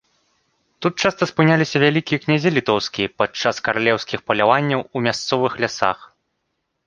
Тут часта спыняліся вялікія князі літоўскія пад час каралеўскіх паляванняў у мясцовых лясах.